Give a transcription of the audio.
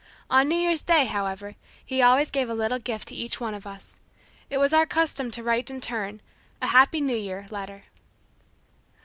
On New Year's Day, however, he always gave a little gift to each one of us. It was our custom to write him in turn "A Happy New Year" letter.